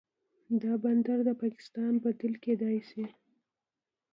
دا بندر د پاکستان بدیل کیدی شي.